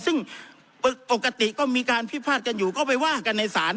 ซึ่งปกติก็มีการพิพาทกันอยู่ก็ไปว่ากันในศาล